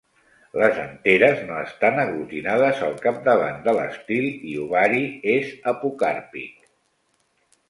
Les anteres no estan aglutinades al capdavant de l'estil i ovari és apocàrpic.